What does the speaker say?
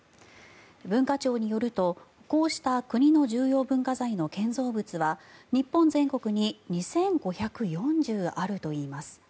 文化庁によるとこうした国の重要文化財の建造物は日本全国に２５４０あるといいます。